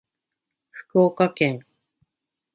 福岡県